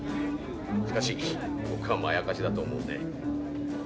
しかし僕はまやかしだと思うね。